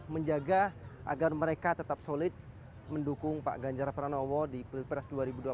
menjaga agar mereka tetap solid mendukung pak ganjar pranowo di pilpres dua ribu dua puluh